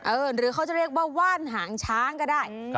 หรือเขาจะเรียกว่าว่านหางช้างก็ได้